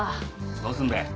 どうすんべ？